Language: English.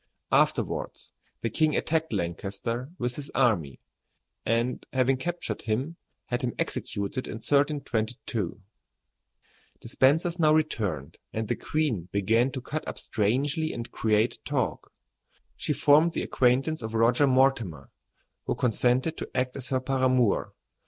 Afterwards the king attacked Lancaster with his army, and having captured him, had him executed in 1322. [Illustration: UNFORTUNATE KING WAS TREATED WITH REVOLTING CRUELTY.] The Spencers now returned, and the queen began to cut up strangely and create talk. She formed the acquaintance of Roger Mortimer, who consented to act as her paramour.